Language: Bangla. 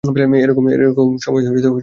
এরকম সময়ে তিনি একটি চিঠি পেলেন।